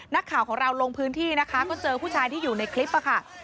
นักข่าวของเราลงพื้นที่นะคะก็เจอผู้ชายที่อยู่ในคลิปค่ะ